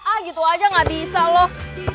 ah gitu aja gak bisa loh